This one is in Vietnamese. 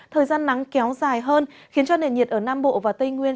thời gian nắng kéo dài hơn khiến cho nền nhiệt ở nam bộ và tây nguyên